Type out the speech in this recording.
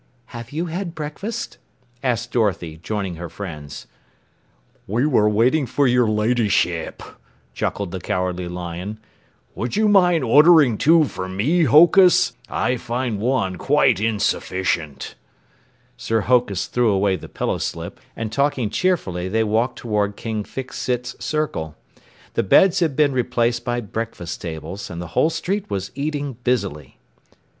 "Have you had breakfast?" asked Dorothy, joining her friends. "We were waiting for your Ladyship," chuckled the Cowardly Lion. "Would you mind ordering two for me, Hokus? I find one quite insufficient." Sir Hokus threw away the pillowslip, and talking cheerfully they walked toward King Fix Sit's circle. The beds had been replaced by breakfast tables, and the whole street was eating busily.